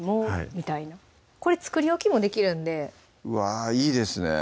みたいなこれ作り置きもできるんでうわぁいいですね